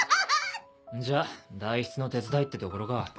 じゃ代筆の手伝いってところか。